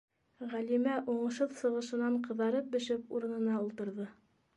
Ғәлимә уңышһыҙ сығышынан ҡыҙарып-бешеп урынына ултырҙы.